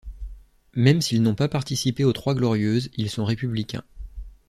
Même s'il n'ont pas participé aux Trois Glorieuses, ils sont républicains.